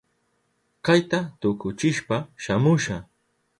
Kayta tukuchishpa shamusha.